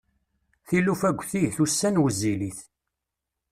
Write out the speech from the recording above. Tilufa ggtit, ussan wezzilit.